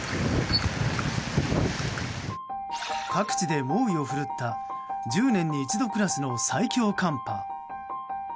各地で猛威を振るった１０年に一度クラスの最強寒波。